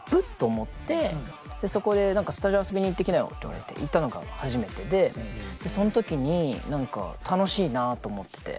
そこで「スタジオ遊びに行ってきなよ」って言われて行ったのが初めてでそん時に何か楽しいなと思ってて。